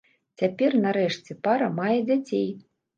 Цяпер, нарэшце, пара мае дзяцей.